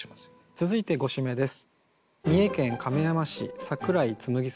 続いて５首目です。